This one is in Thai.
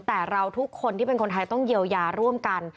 แต่เราทุกคนที่เป็นคนไทยต้องเยียวยาร่วมกัน